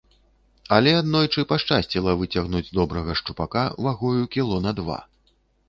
Але аднойчы пашчасціла выцягнуць добрага шчупака, вагою кіло на два.